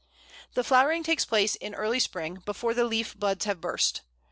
The flowering takes place in early spring, before the leaf buds have burst.